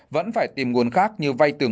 vẫn phải tìm nguồn khác như vay từ người